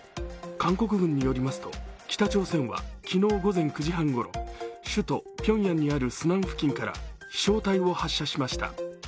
韓国軍によりますと、北朝鮮はきのう午前９時半ごろ、首都ピョンヤンにあるスナン付近から飛翔体を発射しました。